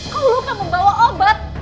kau lupa membawa obat